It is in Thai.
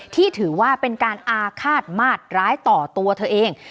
ที่ถือว่าเป็นการอาฆาตมาดร้ายต่อตัวเธอเอง